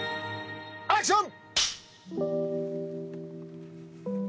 アクション！